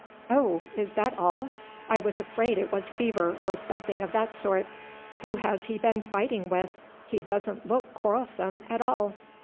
"Oh! is that all? I was afraid it was fever, or something of that sort. Who has he been fighting with? He doesn't look quarrelsome at all."